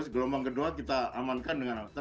gelombang kedua kita amankan dengan alasan